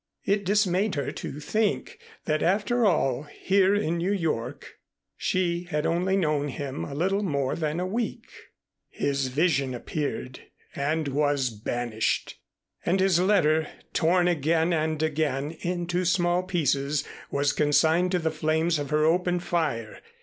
It dismayed her to think that after all here in New York, she had only known him a little more than a week. His vision appeared and was banished, and his letter, torn again and again into small pieces was consigned to the flames of her open fire.